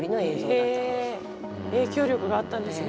影響力があったんですね